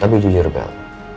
tapi jujur bel